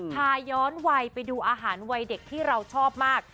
พาย้อนวัยไปดูอาหารวัยเด็กที่เราชอบมาก